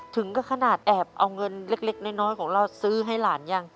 ถึงก็ขนาดแอบเอาเงินเล็กน้อยของเราซื้อให้หลานยัง